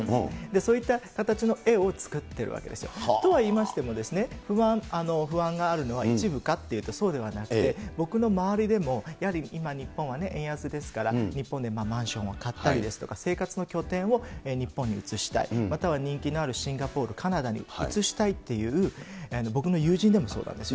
そういった形の絵を作っているわけですよ。とはいいましても、不安があるのは一部かっていうと、そうではなくて、僕の周りでもやはり今、日本はね、円安ですから、日本でマンションを買ったりですとか、生活の拠点を日本に移したい、または人気のあるシンガポール、カナダに移したいっていう、僕の友人でもそうなんですよ。